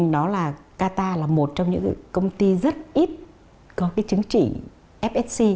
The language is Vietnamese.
đó là cata là một trong những công ty rất ít có cái chứng chỉ fsc